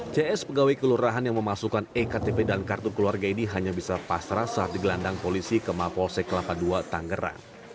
cs pegawai kelurahan yang memasukkan iktp dan kartu keluarga ini hanya bisa pasrah saat digelandang polisi ke mapolsek delapan puluh dua tanggerang